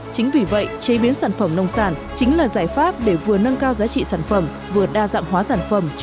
chính vì vậy chế biến sản phẩm nông sản chính là giải pháp để vừa nâng cao giá trị sản phẩm vừa đa dạng hóa sản phẩm cho thị trường xuất khẩu